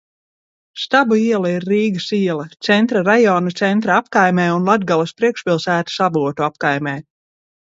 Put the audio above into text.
Stabu iela ir Rīgas iela, Centra rajona Centra apkaimē un Latgales priekšpilsētas Avotu apkaimē.